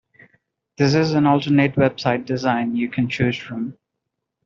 This is an alternate website design you can choose from.